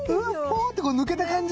ポーンって抜けた感じ！